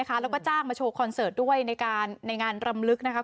แล้วก็จ้างมาโชว์คอนเสิร์ตด้วยในงานรำลึกนะคะ